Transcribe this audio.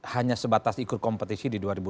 hanya sebatas ikut kompetisi di